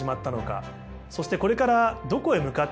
そしてこれからどこへ向かっていくのか。